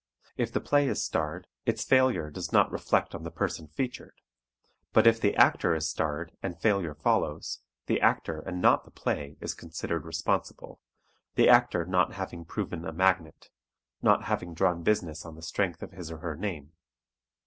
If the play is starred, its failure does not reflect on the person featured; but if the actor is starred and failure follows, the actor and not the play is considered responsible, the actor not having proven a magnet, not having drawn business on the strength of his or her name.